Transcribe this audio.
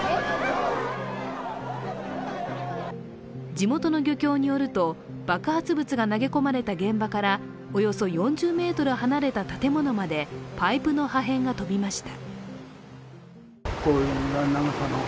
地元の漁協によると、爆発物が投げ込まれた現場からおよそ４０ｍ離れた建物までパイプの破片が飛びました。